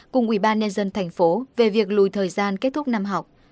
cùng ubnd tp hcm về việc lùi thời gian kết thúc năm học